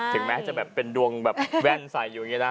ถึงแม้จะแบบเป็นดวงแบบแว่นใส่อยู่อย่างนี้นะ